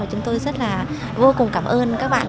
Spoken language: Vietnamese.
chúng tôi rất là vô cùng cảm ơn các bạn